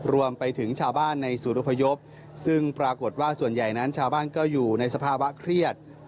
รวมไปถึงชาวบ้านในศูนย์อพยพซึ่งปรากฏว่าส่วนใหญ่นั้นชาวบ้านก็อยู่ในสภาวะเครียด